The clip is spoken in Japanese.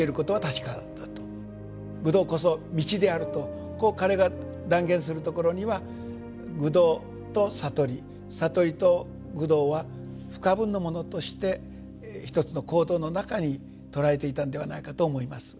求道こそ道であるとこう彼が断言するところには求道と悟り悟りと求道は不可分のものとして一つの行動の中に捉えていたんではないかと思います。